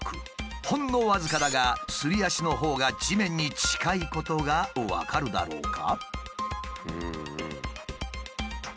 ほんの僅かだがすり足のほうが地面に近いことが分かるだろうか。